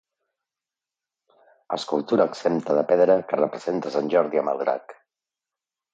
Escultura exempta de pedra, que representa a Sant Jordi amb el drac.